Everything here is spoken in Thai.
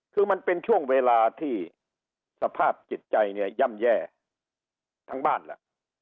ถือว่ามันเป็นช่วงเวลาที่สภาพจิตใจย่ำแย่ทั้งบ้านหลัก